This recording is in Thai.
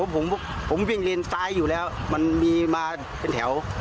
ผมวิ่งเลนซ้ายอยู่แล้วมันมีมาเป็นแถว